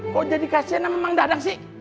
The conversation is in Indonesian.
kok jadi kasihan sama mang dadang sih